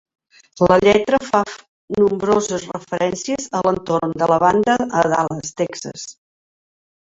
La lletra fa nombroses referències a l'entorn de la banda a Dallas, Texas.